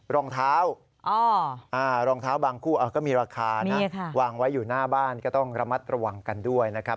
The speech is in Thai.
รองเท้ารองเท้าบางคู่ก็มีราคานะวางไว้อยู่หน้าบ้านก็ต้องระมัดระวังกันด้วยนะครับ